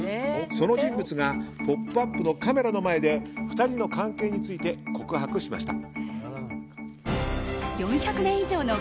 その人物が「ポップＵＰ！」のカメラの前で２人の関係について告白しました。